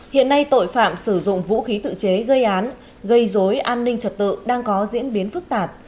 tại đây vũ khí tự chế gây án gây dối an ninh trật tự đang có diễn biến phức tạp